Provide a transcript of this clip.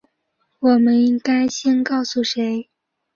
我们应该先告诉谁？